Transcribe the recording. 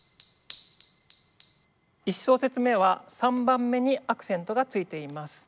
１小節目は３番目にアクセントがついています。